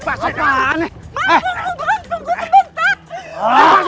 bang tunggu sebentar